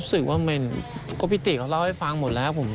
รู้สึกว่าไม่ก็พี่ติเขาเล่าให้ฟังหมดแล้วผม